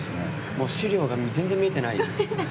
資料が全然見えてない。